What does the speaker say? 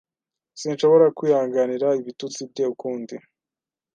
Sinshobora kwihanganira ibitutsi bye ukundi.